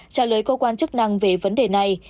trả lời cầu quản chức năng về vấn đề này